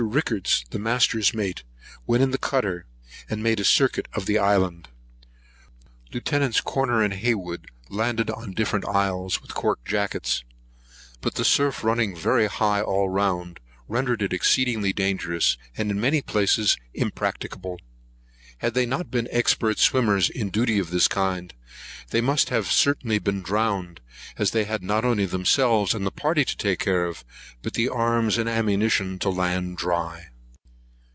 Rickards, the master's mate, went in the cutter, and made a circuit of the island. Lieuts. Corner and Hayward landed on the different isles with cork jackets; but the surf running very high all round, rendered it exceedingly dangerous, and in many places impracticable. Had they not been expert swimmers, in duty of this kind, they must have certainly been drowned, as they had not only themselves and the party to take care of, but the arms and ammunition to land dry.